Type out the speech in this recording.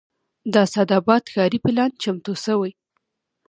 د اسداباد ښاري پلان چمتو شوی